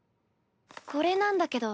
これなんだけど。